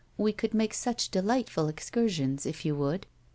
We could make such delightful excursions if you would."